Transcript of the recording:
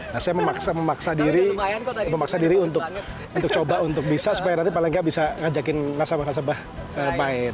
nah saya memaksa diri untuk coba untuk bisa supaya nanti paling nggak bisa ngajakin masalah masalah main